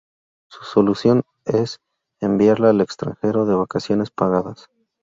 Su solución es enviarla al extranjero de vacaciones pagadas.